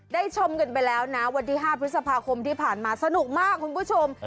ชมกันไปแล้วนะวันที่๕พฤษภาคมที่ผ่านมาสนุกมากคุณผู้ชม